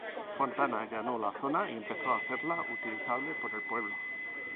Fontana allanó la zona y empezó a hacerla utilizable por el pueblo.